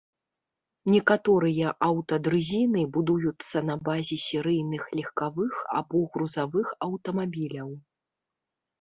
Некаторыя аўтадрызіны будуюцца на базе серыйных легкавых або грузавых аўтамабіляў.